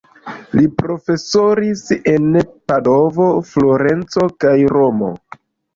Li profesoris en Padovo, Florenco kaj Romo.